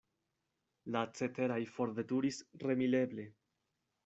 La ceteraj forveturis remileble.